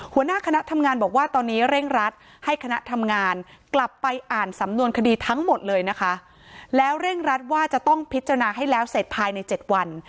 หัวหน้าคณะทำงานบอกว่าตอนนี้เร่งรัดให้คณะทำงานกลับไปอ่านสำนวนคดีทั้งหมดเลยนะคะแล้วเร่งรัดว่าจะต้องพิจารณาให้แล้วเสร็จภายใน๗วัน